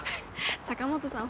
坂本さん